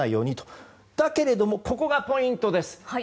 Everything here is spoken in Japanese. だけれどもここがポイントです。